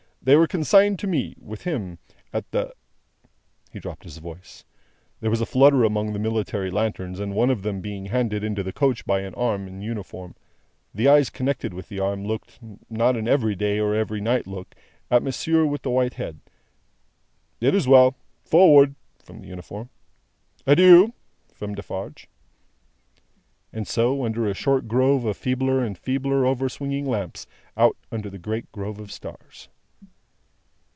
They were consigned to me, with him, at the " He dropped his voice, there was a flutter among the military lanterns, and one of them being handed into the coach by an arm in uniform, the eyes connected with the arm looked, not an every day or an every night look, at monsieur with the white head. "It is well. Forward!" from the uniform. "Adieu!" from Defarge. And so, under a short grove of feebler and feebler over swinging lamps, out under the great grove of stars.